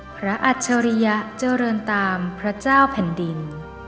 อัจฉริยะเจริญตามพระเจ้าแผ่นดิน